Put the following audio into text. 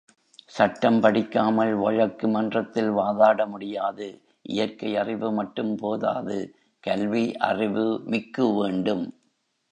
சட்டம் படிக்காமல் வழக்கு மன்றத்தில் வாதாட முடியாது இயற்கை அறிவுமட்டும் போதாது கல்வி அறிவு மிக்கு வேண்டும்.